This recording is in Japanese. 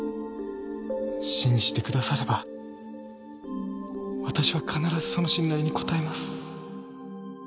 信じてくださればわたしは必ずその信頼に応えます